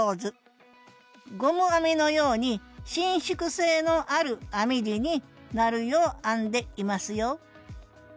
ゴム編みのように伸縮性のある編み地になるよう編んでいますよ